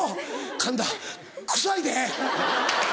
「神田臭いで！」。